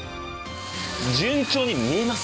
順調に見えます？